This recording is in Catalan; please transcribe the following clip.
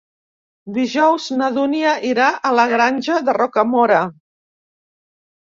Dijous na Dúnia irà a la Granja de Rocamora.